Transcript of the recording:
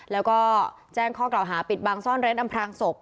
แล้วก็แจ้งข้อกล่าวหาปิดบังซ่อนเร้นอำพลางศพ